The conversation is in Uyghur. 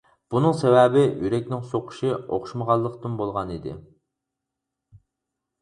بۇنىڭ سەۋەبى يۈرەكنىڭ سوقۇشى ئوخشىمىغانلىقتىن بولغان ئىدى.